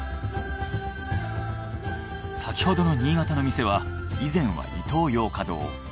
先ほどの新潟の店は以前はイトーヨーカドー。